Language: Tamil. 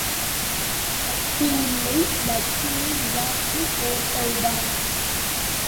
அட்டியில்லை லக்ஷ்மி விலாஸ் ஓட்டல் தான்!